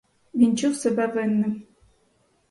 Він чув себе винним.